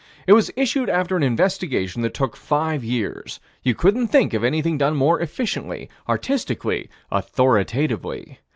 It was issued after an investigation that took five years. You couldn't think of anything done more efficiently, artistically, authoritatively.